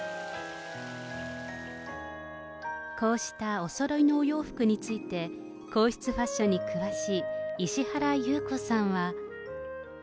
こうしたおそろいのお洋服について、皇室ファッションに詳しい石原裕子さんは。